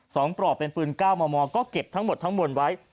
สองปลอกเป็นปืนก้าวมอมมอมก็เก็บทั้งหมดทั้งมนตร์ไว้